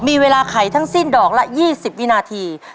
มีเวลาไขทั้งสิ้นดอกละ๒๐วินาที